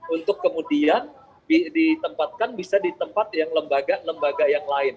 untuk kemudian ditempatkan bisa di tempat yang lembaga lembaga yang lain